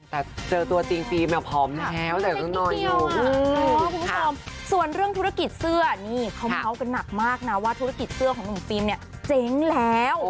แต่เจอตัวจริงฟิล์มเนี่ยผอมแล้วแหละคุณผู้ชมส่วนเรื่องธุรกิจเสื้อนี่เขาเมาส์กันหนักมากนะว่าธุรกิจเสื้อของหนุ่มฟิล์มเนี่ยเจ๊งแล้ว